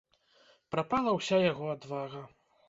Прапала ўся яго адвага.